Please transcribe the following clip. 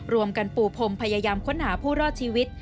รวมกันปูพรมพยายามค้นหาผู้รอดชีวิต